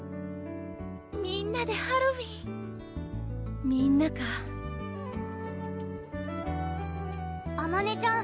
みんなでハロウィンみんなかあまねちゃん